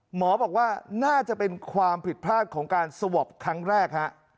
หมอบอกว่าน่าจะเป็นความผิดพลาดของการสวอปครั้งแรกฮะ